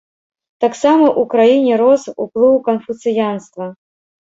Таксама ў краіне рос уплыў канфуцыянства.